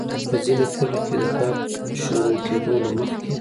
پۀ ځينې خلکو کې د درد شورو کېدو نه مخکې